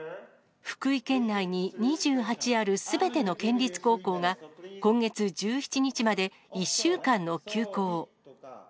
福井県内に２８あるすべての県立高校が、今月１７日まで、１週間の休校。